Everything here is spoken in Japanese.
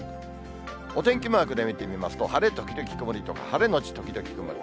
お天気マークで見てみますと、晴れ時々曇りとか、晴れ後時々曇り。